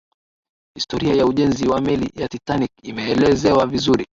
historia ya ujenzi wa meli ya titanic imeelezewa vizuri